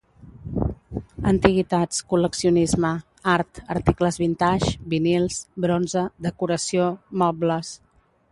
antiguitats col·leccionisme art articles vintage vinils bronze decoració mobles